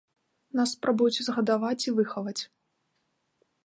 Нас спрабуюць узгадаваць і выхаваць.